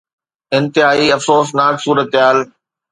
انتهائي افسوسناڪ صورتحال